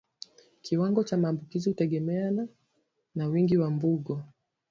Kiwango cha maambukizi hutegemeana na wingi wa mbungo